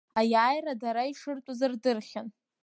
Аиааира дара ишыртәыз рдырхьан.